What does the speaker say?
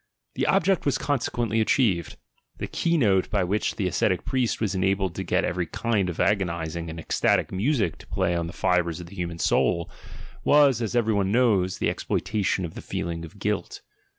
The object was consequently achieved. The keynote by which the ascetic priest was enabled to get every kind of agonising and ecstatic music to play on the fibres of the human soul — was, as every one knows, the exploitation of the feeling of "guilt."